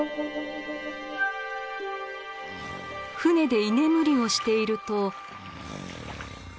舟で居眠りをしていると。